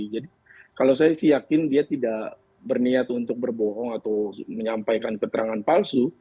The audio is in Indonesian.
jadi kalau saya sih yakin dia tidak berniat untuk berbohong atau menyampaikan keterangan palsu